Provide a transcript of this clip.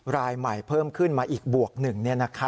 รายใหม่เพิ่มขึ้นมาอีกบวกหนึ่ง